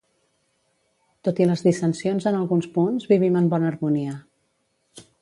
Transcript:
Tot i les dissensions en alguns punts, vivim en bona harmonia.